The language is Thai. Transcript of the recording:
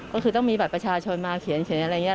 ก็คือต้องมีบัตรประชาชนมาเขียนอะไรอย่างนี้